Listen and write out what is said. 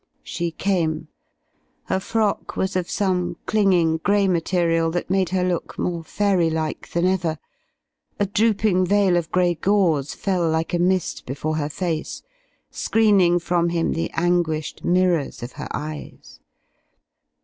She came. Her frock was of some clinging gray material that made her look more fairy like than ever. A drooping veil of gray gauze fell like a mist before her face, screening from him the anguished mirrors of her eyes.